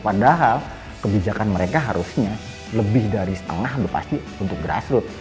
padahal kebijakan mereka harusnya lebih dari setengah pasti untuk grassroot